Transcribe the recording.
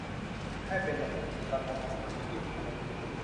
ให้เป็นระบบดิจิทัลทั้งบุคคล นิติบุคคล